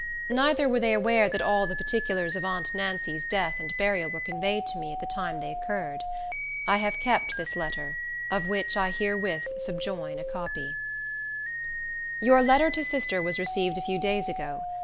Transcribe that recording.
Neither were they aware that all the particulars of aunt Nancy's death and burial were conveyed to me at the time they occurred. I have kept the letter, of which I herewith subjoin a copy:— Your letter to sister was received a few days ago.